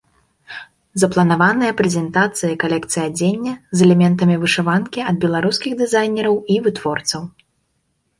Запланаваныя прэзентацыі калекцыі адзення з элементамі вышыванкі ад беларускіх дызайнераў і вытворцаў.